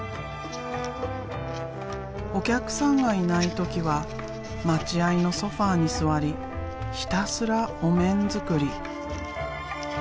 お客さんがいない時は待合のソファーに座りひたすらお面作り。